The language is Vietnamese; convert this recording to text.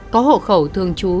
có hộ khẩu thường trú